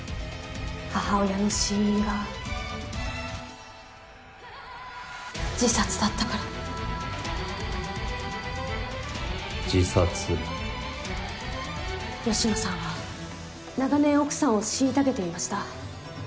母親の死因が自殺だったから自殺芳野さんは長年奥さんを虐げていました。